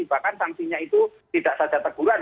bahkan sanksinya itu tidak saja teguran